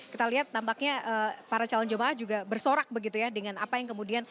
kita lihat tampaknya para calon jemaah juga bersorak begitu ya dengan apa yang kemudian